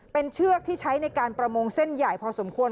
เป็นเชือกที่ใช้ในการประมงเส้นใหญ่พอสมควร